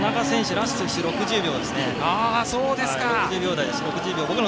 ラスト１周、６０秒。